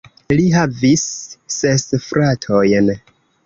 Li havis ses fratojn.